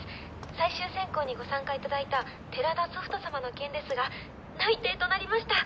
最終選考にご参加いただいた寺田ソフト様の件ですが内定となりました。